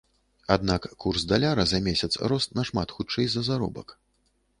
Аднак курс даляра за месяц рос нашмат хутчэй за заробак.